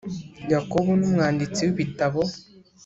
Yakobo numwanditsi wibitabo.